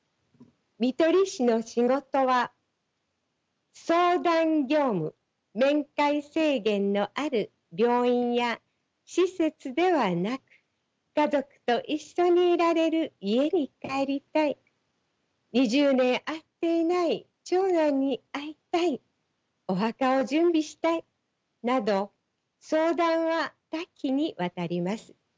看取り士の仕事は相談業務面会制限のある病院や施設ではなく家族と一緒にいられる家に帰りたい２０年会っていない長男に会いたいお墓を準備したいなど相談は多岐にわたります。